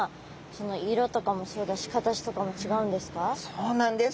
そうなんです！